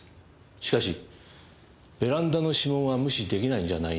しかしベランダの指紋は無視出来ないんじゃないですか？